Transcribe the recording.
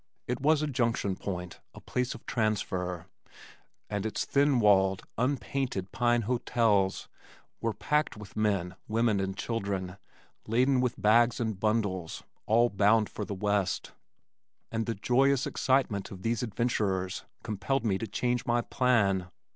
It was a junction point, a place of transfer, and its thin walled unpainted pine hotels were packed with men, women and children laden with bags and bundles (all bound for the west) and the joyous excitement of these adventurers compelled me to change my plan.